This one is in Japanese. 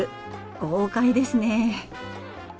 豪快ですね。